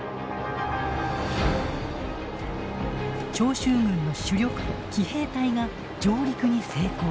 長州軍の主力奇兵隊が上陸に成功。